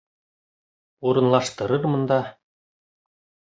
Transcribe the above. Урынлаштырырмын да.